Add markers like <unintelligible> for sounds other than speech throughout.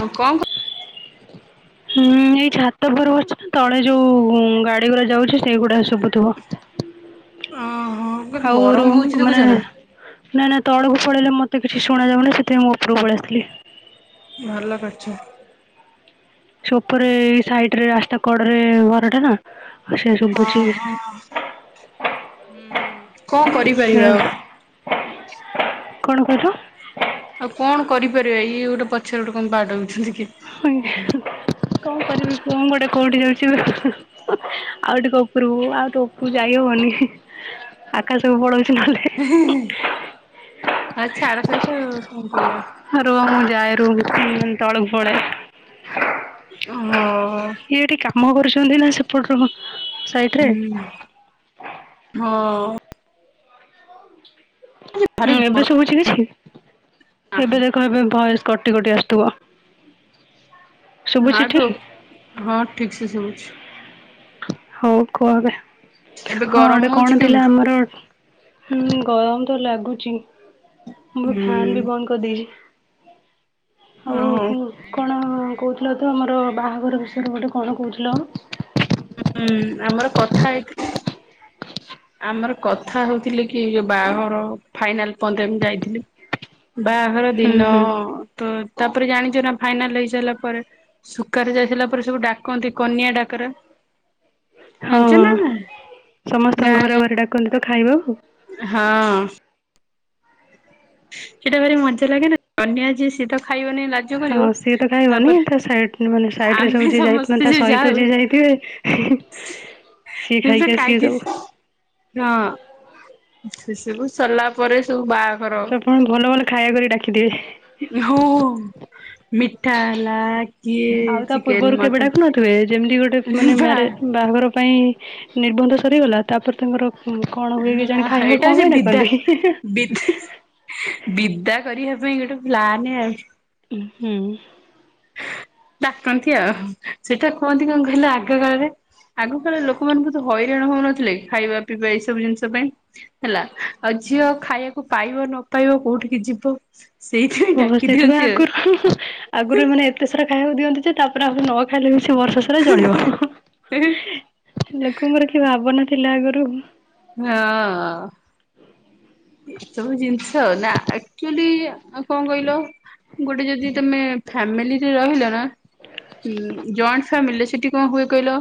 ହଁ କଣ କ ହ ହୁଁ-ଉ-ଉ ଏଇ ଛାତ ଉପରେ ବସିଛି ନା ତଳେ ଯୋଉ-ଉ-ଉ-ଉଁ ଗାଡି ଗୁଡା ଯାଉଛି ସେଇଗୁଡା ଶୁଭୁଥିବ। ଓହୋ କେତେ ଆଉ ଗରମ ରୁମ୍ ହଉଛି ଦେଖୁଛ ମାନେ ନା ନାଇଁ ନାଇଁ ତଳକୁ ପଳେଇଲେ ମତେ କିଛି ଶୁଣା ଯାଉନି ସେଥିପାଇଁ ଉପରକୁ ପଳେଇ ଆସିଥିଲି। ଭଲ କରିଛ। ଛୋପରେ ଏଇ ସାଇଡରେ ରାସ୍ତା କଡରେ-ଏ-ଏ ଘରଟା ନା। ସେସବୁ ବୁଝିବି। ଓହୋ। ହୁଁ କଣ ଏ କରିପାରିବା ଆଉ। କଣ କହିଲ? ଆଉ କଣ କରିପାରିବା ଇଏ ଗୋଟେ ପଛରେ ଗୋଟେ କଣ ବାଡଉଛନ୍ତି କିଏ। ଆଜ୍ଞା କଣ କରିବି ମୁଁ ଗୋଟେ କୋଉଠି ଯାଉଛି। <inaudible> ଆଉ ଟିକେ ଉପରକୁ ଆଉ ଟିକେ ଉପୁ ଯାଇ ହବନି। ଆକାଶକୁ ପଳଉଛି ନହେଲେ ହେଁ-ହେଁ-ହେଁ, ଆଉ ଛାଡ ସେକଥା ଆଉ କଣ କରିବା। ହଁ ରୁହ ମୁଁ ଯାଏ ରୁମକୁ-ଉ-ଉ ତଳକୁ ପଳାଏ। ହଁ। ଇଏ ଏଠି କାମ କରୁଛନ୍ତି ନା ସେପଟରୁ ହଁ। ହୁଁ-ଉ-ଉ ହଁ। ଭାରି ହଁ ଗରମ ଏବେ ଶୁଭୁଛି କିଛି? ଏବେ ଦେଖ ଏବେ ଭୟସ କଟି-କଟି ଆସୁଥୁବ। ନାଁ ତ, ହଁ ଠିକ୍ ସେ ଶୁଭୁଛି। ହଉ କୁହ ଏବେ, ଏବେ ହଁ ଗରମ ଗୋଟେ ହଉଛି କଣ ଥିଲା କେମିତି ଆମର ହୁଁ ଗରମ ତ ଲାଗୁଛି ମୁ ହୁଁ ଫ୍ୟାନ୍ ବି ବନ୍ଦ କରିଦେଇଛି ଆଉ ଓହୋ। କଣ କଣ କହୁଥିଲ ତ ଆମର ବାହାଘର ବିଷୟରେ ଗୋଟେ କଣ କହୁଥିଲ ହୁଁ ଆମର କଥା ହେଇଥି ଆମର କଥା ହଉଥିଲେ କି ବାହାଘର ଫାଇନାଲ୍ ପର୍ଯ୍ୟନ୍ତ ମୁଁ ଯାଇଥିଲି ବାହାଘର ହୁଁ ଦିନ ହୁଁ ତ ତାପରେ ଜାଣିଛ ନା ଫାଇନାଲ ହେଇ ସାରିଲା ପରେ। ସୁଖାରେ ଯାଇ ସାରିଲା ପରେ ସବୁ ଡାକନ୍ତି କନିଆ ଡାକରା ହଁ ଜାଣିଛ ହଁ ନା ନାଇ? ସମସ୍ତଙ୍କ ଘରେ ଘରେ ଡାକନ୍ତି ତ ଖାଇବା ଆଉ। ହଁ। ସେଇଟା ଭାରି ମଜା ଲାଗେନା କନ୍ୟା ଯିଏ ସିଏ ତ ଖାଇବନି ଲାଗ। ହଁ ସିଏ ତ ଖାଇବନି ତା ସାଇଡ୍ ରେ ଆମେ ସବୁ ଯଏ ଯାଇଥିବେ ସମସ୍ତେ ତା ଯୋଉ ଯାଉ ସହିତ ଯିଏ ଯାଇଥିବେ ସିଏ ସେ ପୁରା ଖାଇକି ଆସିବେ କାଇକି ସବୁ। ହଁ ସେ ସବୁ ସରିଲା ପରେ ସବୁ ବାହାଘର। ଆପଣ ଭଲ ଭଲ ଖାଇବା କରି ଡାକି ଦେବେ। ହଁ ମିଠା ହେଲା କିଏ ଚିକେନ ମଟନ୍ ଏ ଯେମିତି ଗୋଟେ ମାନେ ମ୍ୟାରେଜ ବାହାଘର ପାଇଁ ନିର୍ବନ୍ଧ ସରିଗଲା ତାପରେ ତାଙ୍କର। ହୁଁ କଣ ହୁଏ କେଜାଣି ହଁ ଖାଇବାକୁ ଏଇଟା କଣ ହଉଛି ପାଇଁ ବିଦା ଡାକନ୍ତି? ବିଦା ବିଦା କରିବା ପାଇଁ ଗୋଟେ ପ୍ଲାନ ଆଉ। ହୁଁ। ଡାକନ୍ତି ଆଉ ସେଇଟା କୁହନ୍ତି କଣ କହିଲ ଆଗ କାଳ ରେ? ଆଗକାଳେ ଲୋକମାନେ ବୋହୁତ୍ ହଇରାଣ ହଉନଥିଲେ ଖାଇବା ପିଇବା ଏଇ ସବୁ ଜିନିଷ ପାଇଁ। ହେଲା ଆଉ ଝିଅ ଖାଇବାକୁ ପାଇବ ନ ପାଇବ କୋଉଠିକି ଯିବ। ସେଇଥିପାଇଁ ଓ ଡାକି ସେଥିପାଇଁ ଦିଅନ୍ତି ଆଉ ଆଗରୁ। ଆଗରୁ ଏମାନେ ଏତେ ସାରା ଖାଇବାକୁ ଦିଅନ୍ତି ଯେ ତାପରେ ଆଗ ନ ଖାଇଲେ ବି ସେ ବର୍ଷ ସାରା ଚଳିବ ହଁ ଲୋକଙ୍କର କି ଭାବନା ଥିଲା ଆଗରୁ। ହଁ। ଏସବୁ ଜିନିଷ ନା ଆକ୍ଚୁଲି କଣ କହିଲ? ଗୋଟେ ଯଦି ତମେ ଫ୍ୟାମିଲିରେ ରହିଲ ନା ଜଏଣ୍ଟ ଫ୍ୟାମିଲୀ ସେଠି କଣ ହୁଏ କହିଲ।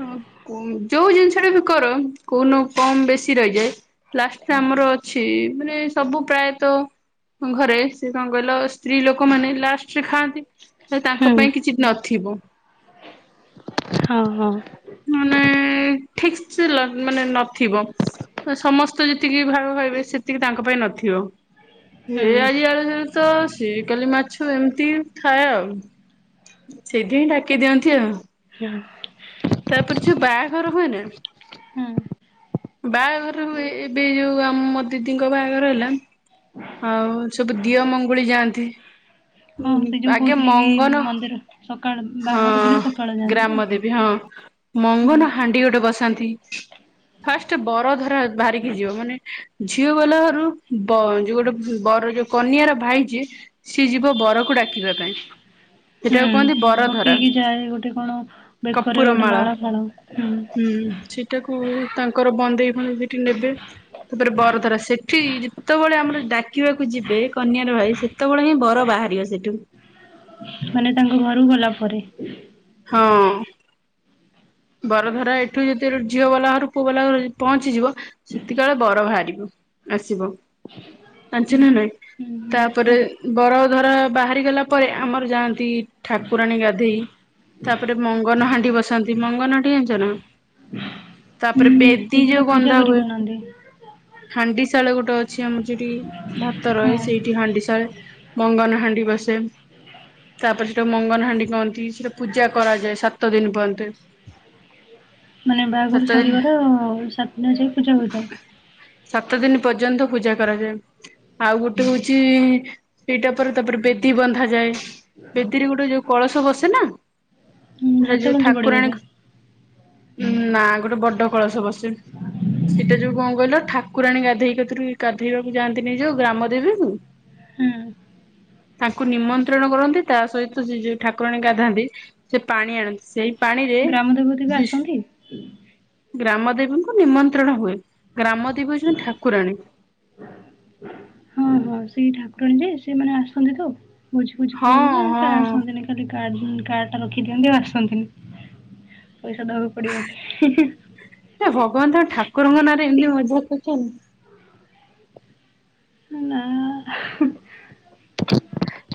ହଁ ଯୋଉ ଜିନିଷ ଟା ବି କର କୋଉନୁ କମ୍ ବେଶୀ ରହିଯାଏ। ଲାଷ୍ଟ ଆମର ଅଛି ମାନେ ସବୁ ପ୍ରାୟତଃ। ଘରେ ସେ କଣ କହିଲ ସ୍ତ୍ରୀ ଲୋକମାନେ ଲାଷ୍ଟରେ ଖାଆନ୍ତି। ତ ତାଙ୍କ ହୁଁ ପାଇଁ କିଛି ନଥିବ। ହଁ ହଁ। ମାନେ ଠିକ୍ ସ୍ଚ ଲ୍ ମାନେ ନଥିବ। ସମସ୍ତେ ଯେତିକି ଭାଗ ଖାଇବେ ସେତିକି ତାଙ୍କ ପାଇଁ ନଥିବ। ଏ ହୁଁ। ଆଜି ଆଳୁ ଜୁଳ ତ ସ କାଲି ମାଛ ଏମିତି ଥାଏ ଆଉ। ସେଇଥି ପାଇଁ ଡାକି ଦିଅନ୍ତି ଆଉ। ହଁ ତାପରେ ଯୋଉ ବାହାଘର ହୁଏ ନା। ହୁଁ ବାହାଘର ହୁଏ ଏବେ ଯୋଉ ଆମ ଦିଦିଙ୍କ ବାହାଘର ହେଲା। ହଁ ସବୁ ଦିଅ ମଙ୍ଗୁଳି ଯାଆନ୍ତି। ହଁ ସେ ଯୋଉ ଆଗେ କହୁଥିଲି କି ମଙ୍ଗନ ମନ୍ଦିର ସକାଳ ହଁ ବାହାଘର ଦିନ ସକାଳ ଯାଆନ୍ତି ତ? ଗ୍ରାମଦେବୀ ହଁ। ହୁଁ ମଙ୍ଗନ ହାଣ୍ଡି ଗୋଟେ ବସାନ୍ତି। ଫାଷ୍ଟ ବର ଧର ବାହାରିକି ଯିବ ମାନେ ଝିଅ ବାଲା ଘରୁ ଯୋଉ ଗୋଟେ ବର ଯୋଉ କନିଆର ଭାଇ ଯିଏ ସିଏ ଯିବ ବରକୁ ଡାକିବା ପାଇଁ। ହୁଁ ସେଟାକୁ କୁହନ୍ତି ବରଧରା ପକେଇକି ଯାଏ ଗୋଟେ କଣ ବେକରେ ଗୋଟେ ମାଳ ଫାଳ। ହୁଁ ସେଇଟାକୁ ତାଙ୍କର ବନ୍ଦେଇ ଫନ୍ଦେଇ ସେଠି ନେବେ ତାପରେ ବରଧରା ସେଠି ଯେତେବେଳେ ଆମର ଡାକିବାକୁ ଯିବେ କନ୍ୟାର ଭାଇ ସେତେବେଳେ ହିଁ ବର ବାହାରିବ ସେଠୁ। ମାନେ ତାଙ୍କ ଘରୁକୁ ଗଲା ପରେ। ହଁ। ବର ଧରା ଏଠୁ ଯଦି ଝିଅ ବାଲାଘର ପୁଅ ବାଲାଘରୁ ପହଞ୍ଚିଯିବ ସେତିକଳେ ବର ବାହାରିବ। ଆସିବ ଜାଣିଛ ନା ନାହିଁ? ହୁଁ ତାପରେ ହୁଁ ବର ଧରା ବାହାରି ଗଲା ପରେ ଆମର ଯାଆନ୍ତି ଠାକୁରାଣୀ ଗାଧେଇ ତାପରେ ମଙ୍ଗନ ହାଣ୍ଡି ବସାନ୍ତି। ମଙ୍ଗନ ଟି ଯାଣିଚନା ତାପରେ ହୁଁ ସେ ବେଦୀ ଯୋଉଟା ଯୋଉ ପୂଜା ଗନ୍ଧା ହୁଏ। କରିକି ଆଣନ୍ତି ହାଣ୍ଡି ଶାଳ ଗୋଟେ ଅ ଅଛି ଆମର ଯଉଠି ଭାତ ହଁ ରହେ ସେଇଠି ହାଣ୍ଡି ସଳେ ମଙ୍ଗନ ହାଣ୍ଡି ବସେ। ତାପରେ ସେଠା ମଙ୍ଗନହାଣ୍ଡି କହନ୍ତି ସେଟା ପୂଜା କରାଯାଏ ସାତ ଦିନ ପର୍ଯ୍ୟନ୍ତ। ମାନେ ବାହାଘର ସାତ ଦିନ ଶରିବାର ସାତଟା ଯାଇଏ ପୂଜା ହୋଇଥାଏ। ସାତ ଦିନ ପର୍ଯ୍ୟନ୍ତ ପୂଜା କରାଯାଏ। ଆଉ ଗୋଟେ ହଉଛି ସେଇଟା ପରେ ତାପରେ ବେଦି ବନ୍ଧାଯାଏ। ବେଦିରେ ଗୋଟେ ଯୋଉ କଳସ ବସେ ନା ହୁଁ ସେଟ ହାତ ଯୋଉ ଗଣ୍ଠି ପଡିବା ଠାକୁରାଣୀ ପାଇଁ ନା ଗୋଟେ ବଡ କଳସ ବସେ। ସେଟା ଯୋଉ କଣ କହିଲ ଠାକୁରାଣୀ ଗାଧେଇକତିରୁ ଗାଧେଇବାକୁ ଯାଆନ୍ତିନି ଯୋଉ ଗ୍ରାମ ଦେବୀକୁ ହୁଁ ତାଙ୍କୁ ନିମନ୍ତ୍ରଣ କରନ୍ତି ତା ସହିତ ସେ ଯୋଉ ଠାକୁରାଣୀ ଗାଧାନ୍ତି। ସେ ପାଣି ଆଣନ୍ତି ସେଇ ପାଣିରେ କେବେ ଆସନ୍ତି। ଗ୍ରାମ ଦେବୀଙ୍କୁ ନିମନ୍ତ୍ରଣ ହୁଏ ଗ୍ରାମ ଦେବୀ ଜଣେ ଠାକୁରାଣୀ। ଆଉ ସେଇ ଠାକୁରାଣୀ ଯେ ସେମାନେ ଆସନ୍ତି ତ ଭୋଜି ଫୋଜି ହଁ ହଁ ଖାଇବାକୁନା ଆସନ୍ତି ନି? ଖାଲି କାର୍ କାର୍ଡ ଟା ରଖି ଦିଅନ୍ତି ଆଉ ଆସନ୍ତିନି ପଇସା ଦବାକୁ ପଡିବ। ହେ ଭଗବାନ ତମେ ଠାକୁରଙ୍କ ନାଁରେ ଏମିତି ମଜା କରୁଚନ୍ତି। ନା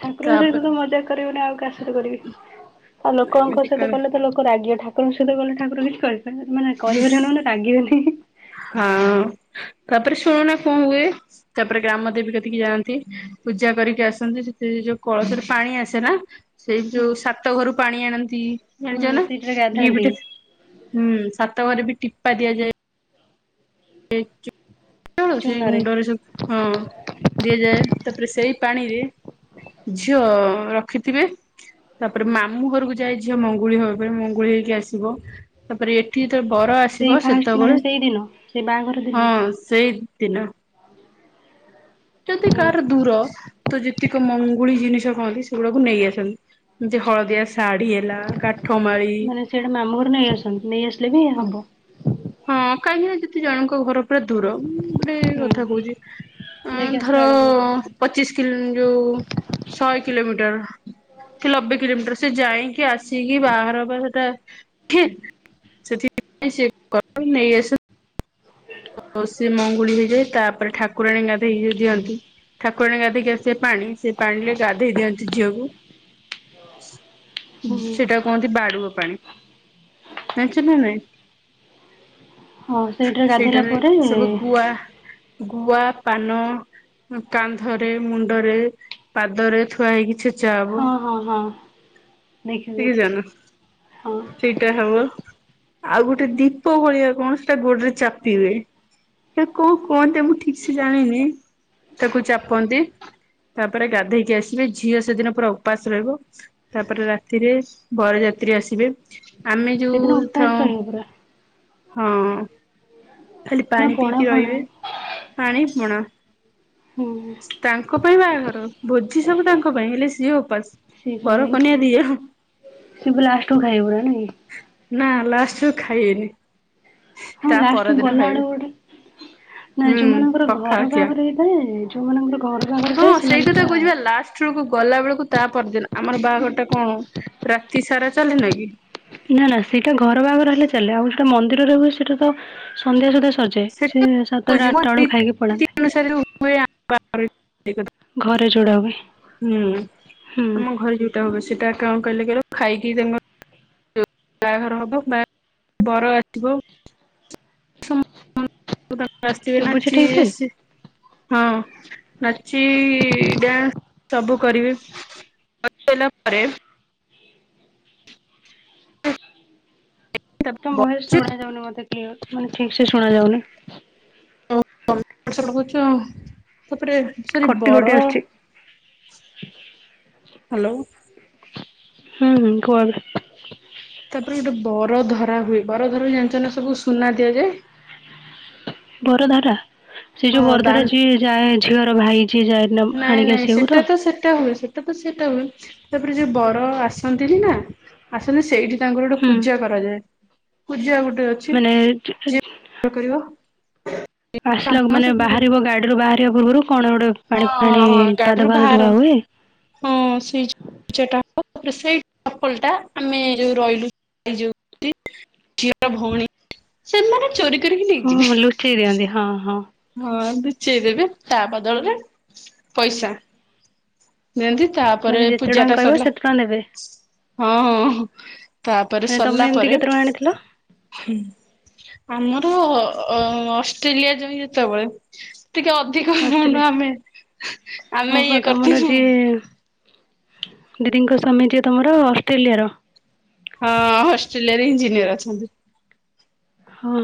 ଠାକୁରଙ୍କ ସହିତ ତାପରେ ତ ମଜା କରିବୁନି ଆଉ କାହା ସହିତ କରିବି ଆଉ ଲୋକଙ୍କ ଏମିତି ସହିତ କରେ କଲେ ତ ଲୋକ ରାଗିବେ ଠାକୁର କଣ ଦୋଷ କଲ ଠାକୁର କିଛି କରିପାରିବେ ମାନେ କରିବେନି ମାନେ ରାଗିବେନି। ହଁ ତାପରେ ଶୁଣୁନା କଣ ହୁଏ ତାପରେ ଗ୍ରାମ ଦେବୀ କତିକି ଯାଆନ୍ତି। ପୂଜା କରିକି ଆସନ୍ତି ସେ ଯୋଉ କଳସରେ ପାଣି ଆସେ ନାଁ ସେଇ ହୁଁ। ଯୋଉ ସାତ ଘରୁ ପାଣି ଆଣନ୍ତି ହୁଁ ଜାଣିଚନା ସେଇଥିରେ ଘି ଗାଧାନ୍ତି ପିଠା ବି ହୁଁ ସାତ ଘରେ ବି ଟିପା ଦିଆଯାଏ। ଏଚ ହଁ ସେଇ ଚୂନରେ ମୁଣ୍ଡରେ ସବୁ ହଁ ଦିଆଯାଏ ତାପରେ ସେଇ ପାଣିରେ ଝିଅ ରଖିଥିବେ। ତାପରେ ମାମୁଁ ଘରକୁ ଯାଏ ଝିଅ ମଙ୍ଗୁଳି ହବା ପାଇଁ ମଙ୍ଗୁଳି ହେଇକି ଆସିବ। ତାପରେ ଏଠି ତ ବର ଆ ସେଇ ଫାଷ୍ଟ ମାନେ ସେଇଦିନ ସେ ବାହାଘର ହଁ ଦିନ ସେଇ ଦିନ। ଯଦି ହୁଁ କାହାର ଦୂର ତ ଯେତିକି ମଙ୍ଗୁଳି ଜିନିଷ କୁହନ୍ତି ସେଗୁଡାକୁ ନେଇ ଆସନ୍ତି। ଏମିତି ହଳଦିଆ ଶାଢୀ ହେଲା କାଠ ମାଳି ମାନେ ସେଇଟା ମାମୁଁ ଘରୁ ନେଇ ଆସନ୍ତି ନେଇ ଆସିଲେ ବି ହବ। ହଁ କାହିଁକିନା ଯଦି ଜଣଙ୍କ ଘର ପୁରା ଦୂର। ଗୋଟେ ହୁଁ କଥା ହୁଁ କହୁଛି। ଯାଇକି ଅ ଆସିଲା ଧର ବେଳକୁ ପଚିଶ କିଲୋ ଯୋଉ ଶହେ କିଲୋମିଟର। କି ନବେ କିଲୋମିଟର ସେ ଯାଇକି ଆସିକି ବାହାର ବା ସେଟା ଠିକ ସେଥିପାଇଁ ସେ କ <inaudible> ନେଇଆସ <unintelligible> ସିଏ ମଙ୍ଗୁଳି ହେଇଯାଏ। ତାପରେ ଠାକୁରାଣୀ ଗାଧଇକି ଦିଅନ୍ତି। ଠାକୁରାଣି ଗାଧେଇକି ଆସିବେ ପାଣି ସେ ପାଣିରେ ଗାଧେଇ ଦିଅନ୍ତି ଝିଅକୁ ହୁଁ ସେଟା କୁହନ୍ତି ବାଡୁଅ ପାଣି ଯାଣିଚକି ନାଇଁ? ହଁ ସେଇଟା ସେଇଟାରେ ସବୁ ଗୁଆ ଗୁଆ ପାନ। କାନ୍ଧରେ ମୁଣ୍ଡରେ ପାଦରେ ଥୁଆ ହେଇକି ଛେଚା ହବ। ହଁ ହଁ ଦେଖିଚି ଦେଖିଚି ହଁ। ଆଉ ଆଉ ଗୋଟେ ଦୀପ ଭଳିଆ କଣ ସେଟା ଗୋଡରେ ଚାପ ପି ହୁଏ ସେ କଣ କୁହନ୍ତେ ମୁଁ ଠିକ ସେ ଜାଣିନି। ତାକୁ ଚାପନ୍ତି ତାପରେ ଗାଧେଇକି ଆସିବେ ଝିଅ ସେଦିନ ପୁରା ଉପାସ ରହିବ। ତାପରେ ରାତିରେ ବରଯାତ୍ରୀ ଆସିବେ। ଆମେ ସେଦିନ ଯୋଉ ଉପାସ ଥାଉ ରହିବ ପୁରା ହଁ। ଖାଲି ନା ପାଣି ପଣା ପିଇକି ଫଣା ରୋହିବେ ପାଣି ପଣା ହୁଁ। ତାଙ୍କ ପାଇଁ ବାହାଘର ଭୋଜି ସବୁ ତାଙ୍କ ପାଇଁ ହେଲେ ସିଏ ଉପାସ। ବର କନ୍ୟା ଦିଅ। ରା ଲାଷ୍ଟକୁ ଖାଇବୁ ନା ନାଇଁ। ନା ଲାଷ୍ଟକୁ ଖାଇବେନି। ହଁ ତା ଲାଷ୍ଟକୁ ପରଦିନ ଗଲା ଖାଇବେ। ଆଡକୁ ଗୋଟେ ନା ହୁଁ ଯୋଉମାନଙ୍କର ପଖାଳ ଘର ଖିଆ। ବାହାଘର ହେଇଥାଏ ଯୋଉମାନଙ୍କର ଘର ବାହାଘର ହେଇଥାଏ ସେମାନେ କହୁଛିବା ଲାଷ୍ଟ ବେଳକୁ ଗଲା ବେଳକୁ ତା ପରଦିନ ଆମର ବାହାଘରଟା କଣ ରାତି ସାରା ଚାଲେ ନା କି? ନା ନା ସେଇଟା ଘର ବାହାଘର ହେଲେ ଚାଲେ ଆଉ ଏଇଟା ମନ୍ଦିରରେ ହୁଏ ସେଇଟା ତ ସନ୍ଧ୍ୟା ସୁଦ୍ଧା ସରିଯାଏ ସେଟା ସେ କହୁଛି ସାତଟା ମୋ ଆଠଟା ବେଳକୁ ଖାଇକି ରୀତି ପଳାନ୍ତି। <inaudible> <inaudible> ହୁଁ ଘରେ ଯୋଉଟା ହୁଏ ହୁଁ ଆମ ଘରେ ଯୋଉ। ତ ସେଟା କଣ କହିଲେ କହିଲେ ଖାଇକି ତାଙ୍କ- ବାହାଘର ହବ ବାହାଘ ବର ଆସିବ <unintelligible> <unintelligible> ଆସ୍ ବି ଶୁଭୁଛି ଠିକ ସେ? ନାଛିି ହଁ ନାଚି ଡ୍ୟାନ୍ସ ସବୁ କରିବେ। ପରେ- <unintelligible> ତମ ଭୟସ ତାପରେ ଶୁଣ ଯାଉନି ମତେ କ୍ଲିୟର ମାନେ ଠିକ ସେ ଶୁଣାଯାଉନି। <inaudible> ତାପରେ ସରି କଟି କଟି ବର- ଆସୁଛି। ହ୍ୟାଲୋ! ହୁଁ କୁହନ୍ତୁ। ତାପରେ ଗୋଟେ ବର ଧରା ହୁଏ। ବରଧରା ଜାଣିଛନ ସବୁ ସୁନା ଦିଆଯାଏ। ବରଧାରା ସେ ହଁ ଯୋଉ ଦା ବରଧାରା ଯିଏ ଯାହା ଝିଅର ଭାଇ ଯିଏ ଯାଏ ନାଇଁ ଆଣିକି ନାଇଁ ଆସିବାକୁ ସେଟା ତ ସେଟା ହୁଏ ସେ ଟା ତ ସେଇଟା ହୁଏ ତାପରେ ଯୋଉ ବର ଆସନ୍ତିନି ନା ଆସନ୍ତି ସେଇଠି ତାଙ୍କର ଗୋଟେ ହୁଁ ପୂଜା କରାଯାଏ ପୂଜା ଗୋଟେ ଅଛି ମାନେ ଯେ କଣ କରିବ? ଆସିଲା କାମ ମାନେ ସବୁ ହଁ ବାହାରିବ ଗାଡିରୁୁ ବାହାରିବା ପୂର୍ବରୁ କଣ ଗୋଟେ ପାଣି, ଫାଣି ହଁ ହଁ ଗାଡିରୁ ପାଦ, ଫାଦ ଧୁଆ ହୁଏ? ହଁ ସେଇ- ଟା ତାପରେ ସେଇ ଚପଲ ଟା ଆମେ ଯୋଉ ରହିଲୁଉ- <unintelligible> ଝିଅର ଭଉଣୀ, ସେମାନେ ଚୋରି କରିକି ହଁ ନେଇଯିବେ। ଲୁଚେଇ ଦିଅନ୍ତି, ହଁ ହଁ। ହଁ ଲୁଚେଇ ଦେବେ ତା ବଦଳରେ ପଇସା। ଯେମତି ତାପରେ ମାନେ ଯେତେ ଟଙ୍କା ପୂଜାଟା କହିବ ସେତେ ଟଙ୍କା ଦେବେ ସରିଲା ହଁ ହଁ। ତାପରେ ମାନେ ତମେ ସରିଲା ଏମିତି ପରେ, କେତେ ଟଙ୍କା ଆଣିଥିଲ ହୁଁ। ଆମର ଅ ଅଷ୍ଟ୍ରେଲିଆ ଯଇଁ ଯେତେବେଳେ ଟିକେ କଉନୁ ଅଷ୍ଟ୍ରେଲିଆ? ଆମେ ଆମେ ଓହୋ ଇଏ କରି- <unintelligible> ତମର ଯିଏ ଦିଦିଙ୍କ ସ୍ୱାମୀ ଟିଏ ତମର ଅଷ୍ଟ୍ରେଲିଆର? ହଁ, ହଷ୍ଟ୍ରେଲିଆ ରେ ଇଞ୍ଜିନିୟର ଅଛନ୍ତି। ହଁ,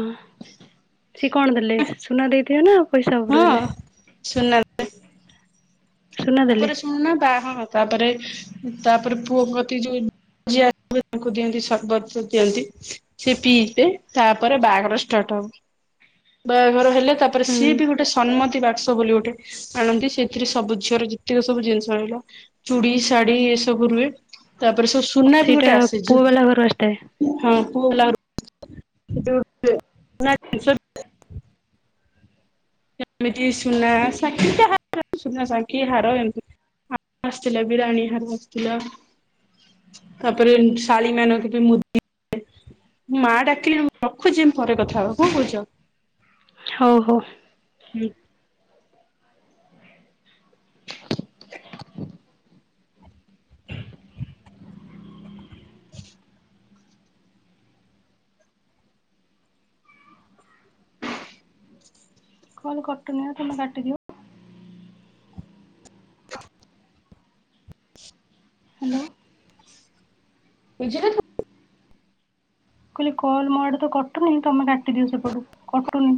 ସିଏ କଣ ଦେଲେ ସୁନା ଦେଇଥିଲେ ନା ପଇସା ଉପରେ ଦେଲେ? ସୁୂନା। ସୁନା ଦେଲେ? ତାପରେ ସୁନା ବା ହଁ ତାପରେ ତାପରେ ପୁଅ ପ୍ରତି ଯୋଉ ଝିଅ ତାଙ୍କୁ ଦିଅନ୍ତି ସର୍ବତ ଦିଅନ୍ତି। ସେ ପିଇବେ ତାପରେ ବାହାଘର ଷ୍ଟାର୍ଟ ହବ। ବାହାଘର ହେଲେ ତାପରେ ତାପରେ ହୁଁ ସିଏ ବି ଗୋଟେ ସମ୍ନ୍ମତି ବାକ୍ସ ବୋଲି ଗୋଟେ ଆଣନ୍ତି। ସେଥିରେ ସବୁ ଝିଅର ପ୍ରକ ସବୁ ଜିନିଷ ରହିଲା ଚୁଡି, ଶାଢୀ ଏ ସବୁ ରୁହେ ତାପରେ ସବ ସୁନାବି ସେଇଟା ଗୋଟେ ଆଶୁଚି। ପୁଅ ବାଲା ଘରୁ ଆସିଥାଏ ହଁ କୁଲ୍ଲା ଯଂ ଯଏଁ ଜର <unintelligible> ଏମିତି ସୁନା ସାନଖି ଯାହା ବି ହଉ ହାର ଫାର ସୁନାସାନଖି ହାର ଏମୀତି ଆସିଥିଲା ବି ରାଣୀ ହାର ଆସିଥିଲା। ତାପରେ ଶାଳି ମାନଙ୍କୁବି ମୁଦି ମାଆ ଡାକିଲେ ମୁଁ ରଖୁଛି ପରେ କଥା ହବା। କଣ କହୁଚ? ହଉ, ହଉ। ହୁଁ। ଟ୍ରାକୁହୁଁ କଲ୍ କଟୁନିମ ତମେ କାଟିଦିଅ। ହ୍ୟାଲୋ। ବୁଝିଲୁ ତୁ? ମୁଁ କହିଲି କଲ୍ ମୋ ଆଡୁ ତ କଟୁନି। ତମେ କାଟିଦିଅ ସେପଟୁ, କଟୁନି।